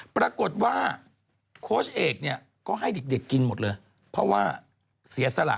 ปรากฏว่าโค้ชเอกเนี่ยก็ให้เด็กกินหมดเลยเพราะว่าเสียสละ